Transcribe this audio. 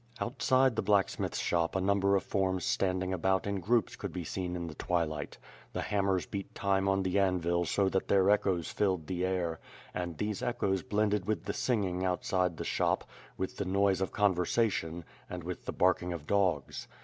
Outside the blacksmith's shop a number of forms standing about in groups could be seen in the twilight. The hammers beat time on the anvil so that their echoes filled the air, and these echoes blended with the singing outside the shop, with the noise of conver sation, and with the barking of dogs.